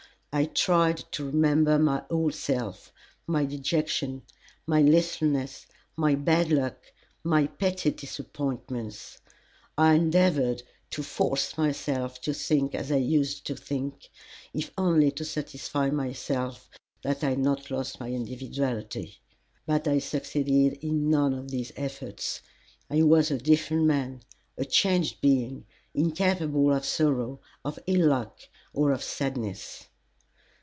I tried to remember my old self, my dejection, my listlessness, my bad luck, my petty disappointments. I endeavored to force myself to think as I used to think, if only to satisfy myself that I had not lost my individuality. But I succeeded in none of these efforts. I was a different man, a changed being, incapable of sorrow, of ill luck, or of sadness.